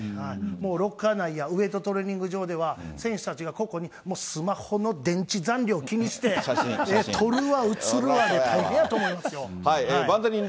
もうロッカー内やウエートトレーニング場では、選手たちが個々にスマホの電池残量気にして、撮るわ、写るわで大変やと思いますよ。